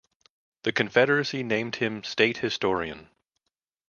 The Confederacy named him state historian.